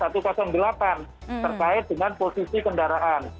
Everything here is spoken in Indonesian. terkait dengan posisi kendaraan